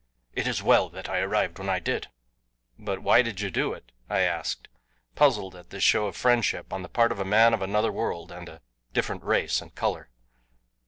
It is well that I arrived when I did." "But why did you do it?" I asked, puzzled at this show of friendship on the part of a man of another world and a different race and color.